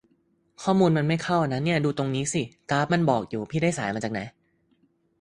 ข้อมูลมันไม่เข้านะ นี่ดูตรงนี้สิ กราฟมันบอกอยู่ พี่ได้สายมาจากไหน